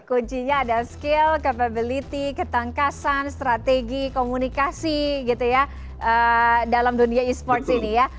kucinya ada skill capability ketangkasan strategi komunikasi gitu ya dalam dunia esports ini ya